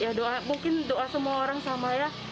ya doa mungkin doa semua orang sama ya